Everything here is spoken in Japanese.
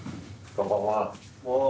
こんばんは。